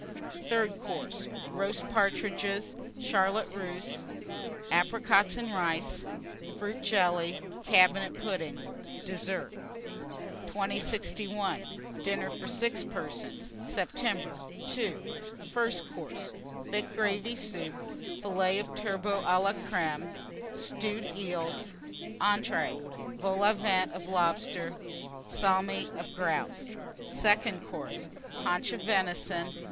THIRD COURSE. Roast Partridges. Charlotte Russe. Apricots and Rice. Fruit Jelly. Cabinet Pudding. DESSERT. 2061. DINNER FOR 6 PERSONS (September). II. FIRST COURSE. Thick Gravy Soup. Fillets of Turbot à la Crême. Stewed Eels. ENTREES. Vol au Vent of Lobster. Salmi of Grouse. SECOND COURSE. Haunch of Venison.